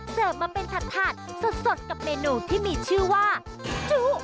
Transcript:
เสิร์ฟมาเป็นถัดสดกับเมนูที่มีชื่อว่าจุ๊